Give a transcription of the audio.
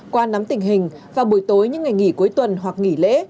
qua nắm tình hình vào buổi tối những ngày nghỉ cuối tuần hoặc nghỉ lễ